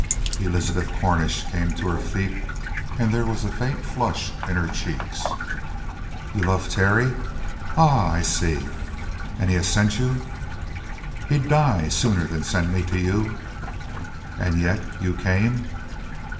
Elizabeth Cornish came to her feet, and there was a faint flush in her cheeks. "You love Terry? Ah, I see. And he has sent you!" "He'd die sooner than send me to you." "And yet you came?"